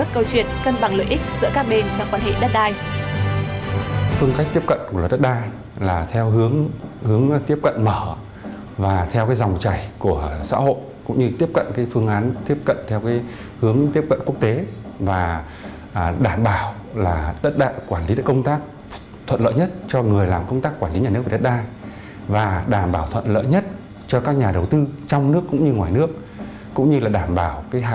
cùng với đó luật cũng giải quyết câu chuyện cân bằng lợi ích giữa các bên trong quan hệ đất đai